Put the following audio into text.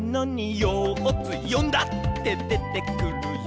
「よっつよんだってでてくるよ」